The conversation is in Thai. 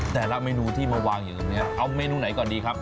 แต่ละเมนูที่มาวางอยู่ตรงนี้เอาเมนูไหนก่อนดีครับ